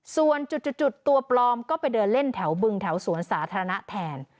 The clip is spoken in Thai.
ส่วนจุดตัวปลอมก็ไปเดินเล่นแถวบึงแถวสวนสาธารณะแทน